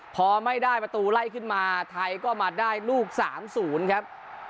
พอไม่ได้ประตูไล่ขึ้นมาไทยก็มาได้ลูก๓๐ครับ